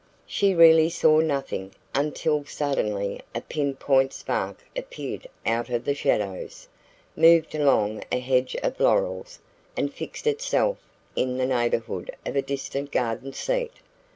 She really saw nothing, until suddenly a pin point spark appeared out of the shadows, moved along a hedge of laurels, and fixed itself in the neighbourhood of a distant garden seat.